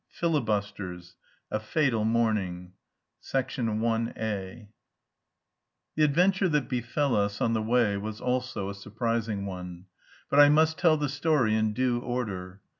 FILIBUSTERS. A FATAL MORNING I The adventure that befell us on the way was also a surprising one. But I must tell the story in due order.